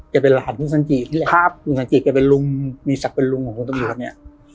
เป็นหลานคุณสันจินี่แหละครับลุงสันจิแกเป็นลุงมีศักดิ์เป็นลุงของคุณตำรวจเนี่ย